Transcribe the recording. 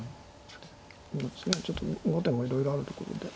ちょっと後手もいろいろあるところで。